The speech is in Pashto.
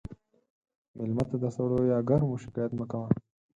مېلمه ته د سړو یا ګرمو شکایت مه کوه.